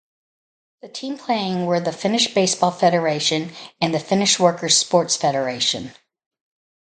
The teams playing were the Finnish Baseball Federation and the Finnish Workers' Sports Federation.